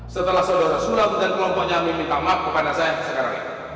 setelah saudara surat dan kelompoknya meminta maaf kepada saya sekarang